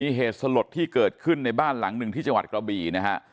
มีเหตุสลดที่เกิดขึ้นในบ้านหลังหนึ่งที่จังหวัดกระบี่นะฮะ